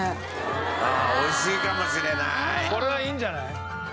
これはいいんじゃない？